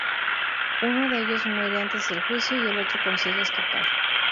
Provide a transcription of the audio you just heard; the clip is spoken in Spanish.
Uno de ellos muere antes del juicio, y el otro consigue escapar.